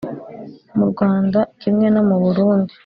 mu rwanda kimwe no mu burundi,